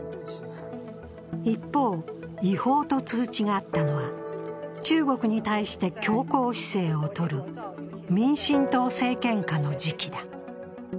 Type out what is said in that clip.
一方、違法と通知があったのは、中国に対して強硬姿勢をとる民進党政権下の時期だ。